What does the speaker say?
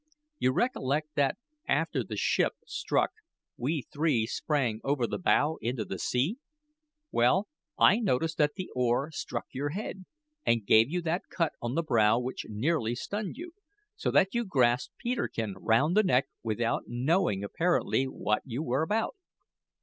You recollect that, after the ship struck, we three sprang over the bow into the sea? Well, I noticed that the oar struck your head and gave you that cut on the brow which nearly stunned you, so that you grasped Peterkin round the neck without knowing apparently what you were about.